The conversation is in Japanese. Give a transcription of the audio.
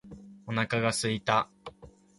お腹が空いた